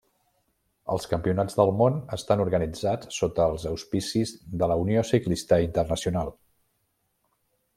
Els Campionats del món estan organitzats sota els auspicis de la Unió Ciclista Internacional.